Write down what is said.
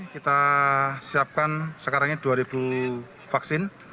kita siapkan sekarang ini dua vaksin